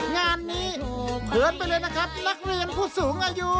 งานนี้เขินไปเลยนะครับนักเรียนผู้สูงอายุ